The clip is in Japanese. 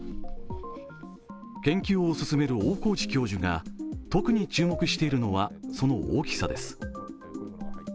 研究を進める大河内教授が特に注目しているのはその大きさです。